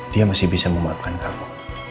dia masih bisa memaafkan karbo